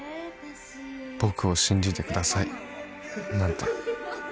僕を信じてくださいなんて